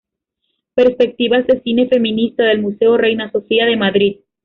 Perspectivas del cine feminista" del Museo Reina Sofía de Madrid".